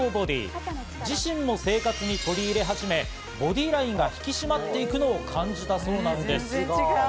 自身の生活に取り入れ始め、ボディラインが引き締まっていくのを感じたそうなんです。